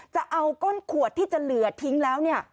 จะเอาก้นขวดที่จะเหลือทิ้งแล้วเนี่ย